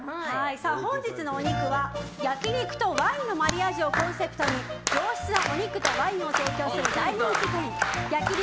本日のお肉は焼き肉とワインのマリアージュをコンセプトに上質なお肉とワインを提供する大人気店焼肉